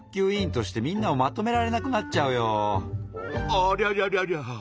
ありゃりゃりゃりゃ。